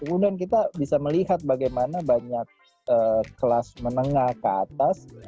kemudian kita bisa melihat bagaimana banyak kelas menengah ke atas